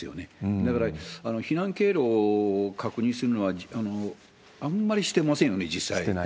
だから避難経路を確認するのはあんまりしてませんよね、実際。